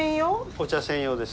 お茶専用です。